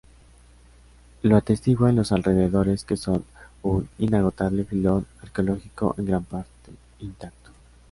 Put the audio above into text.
Lo atestiguan los alrededores, que son un inagotable filón arqueológico, en gran parte intacto.